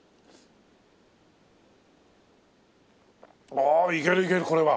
ああいけるいけるこれは。